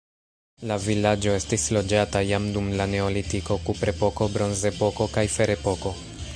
La vilaĝo estis loĝata jam dum la neolitiko, kuprepoko, bronzepoko kaj ferepoko.